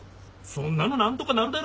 そんなの何とかなるだろ。